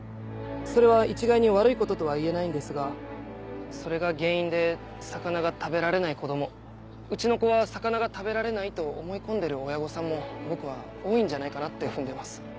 それは一概に悪いこととは言えないんですがそれが原因で魚が食べられない子供うちの子は魚が食べられないと思い込んでる親御さんも僕は多いんじゃないかなって踏んでます。